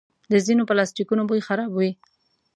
د ځینو پلاسټیکونو بوی خراب وي.